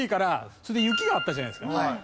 それで雪があったじゃないですか。